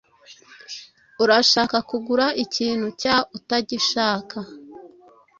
Urashaka kugura ikintu cyangwa utagishaka?